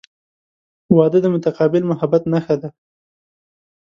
• واده د متقابل محبت نښه ده.